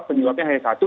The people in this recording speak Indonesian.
penjawabnya hanya satu